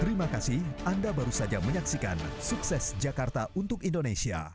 terima kasih anda baru saja menyaksikan sukses jakarta untuk indonesia